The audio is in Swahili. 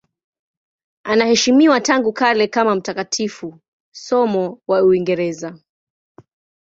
Anaheshimiwa tangu kale kama mtakatifu, somo wa Uingereza.